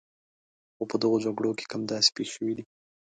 خو په دغو جګړو کې کم داسې پېښ شوي دي.